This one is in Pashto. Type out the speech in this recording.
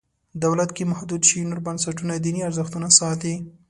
دولت که محدود شي نور بنسټونه دیني ارزښتونه ساتي.